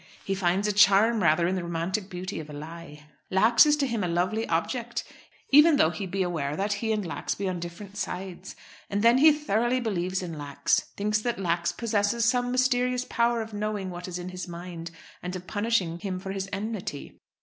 He finds a charm rather in the romantic beauty of a lie. Lax is to him a lovely object, even though he be aware that he and Lax be on different sides. And then he thoroughly believes in Lax; thinks that Lax possesses some mysterious power of knowing what is in his mind, and of punishing him for his enmity.